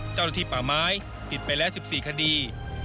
เจ้าหน้าที่ป่าไม้ผิดไปแล้ว๑๔คดี